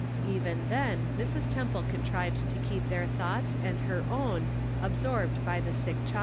Even then Mrs. Temple contrived to keep their thoughts and her own absorbed by the sick The Answer.